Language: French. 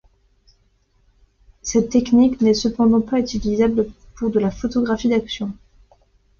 Cette technique n'est cependant pas utilisable pour de la photographie d'action.